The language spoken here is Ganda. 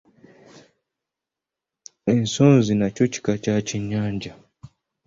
Ensonzi nakyo kika kya kyennyanja.